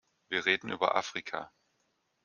Wir reden über Afrika.